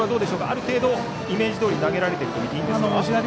ある程度イメージどおりに投げられていると見ていいですか。